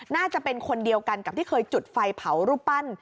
น่าจะเป็นคนเดียวกันกับที่เคยจุดไฟเผารูปปั้น